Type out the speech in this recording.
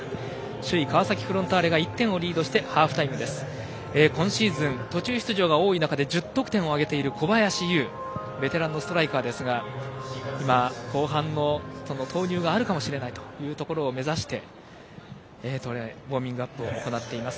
首位川崎が１点をリードしてハーフタイム今シーズン途中出場が多い中で１０得点を挙げている小林悠ベテランのストライカーですが今、後半の投入があるかもしれないというところを目指してウォーミングアップを行っています。